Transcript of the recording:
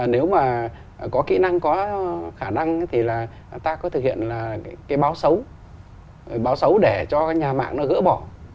nếu mà có kỹ năng có khả năng thì là ta có thể thực hiện cái báo xấu để cho cái nhà mạng nó gỡ bỏ